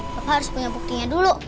maka harus punya buktinya dulu